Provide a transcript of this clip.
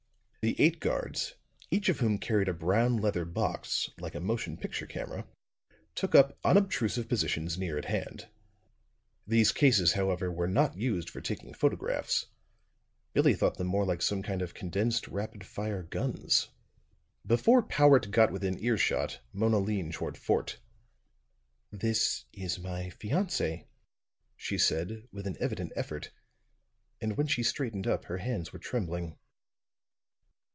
The eight guards, each of whom carried a brown leather box, like a motion picture camera, took up unobtrusive positions near at hand. These cases, however, were not used for taking photographs; Billie thought them more like some kind of condensed rapid fire guns. Before Powart got within ear shot, Mona leaned toward Fort. "This is my fiance," she said with an evident effort; and when she straightened up her hands were trembling.